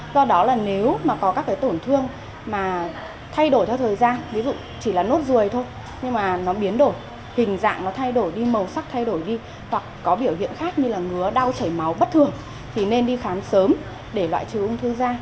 do đó là nếu mà có các cái tổn thương mà thay đổi theo thời gian ví dụ chỉ là nốt ruồi thôi nhưng mà nó biến đổi hình dạng nó thay đổi đi màu sắc thay đổi đi hoặc có biểu hiện khác như là ngứa đau chảy máu bất thường thì nên đi khám sớm để loại trừ ung thư da